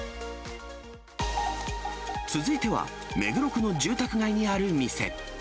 続いては目黒区の住宅街にある店。